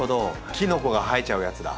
キノコが生えちゃうやつだ。